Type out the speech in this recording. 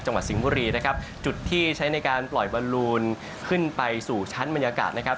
สิงห์บุรีนะครับจุดที่ใช้ในการปล่อยบอลลูนขึ้นไปสู่ชั้นบรรยากาศนะครับ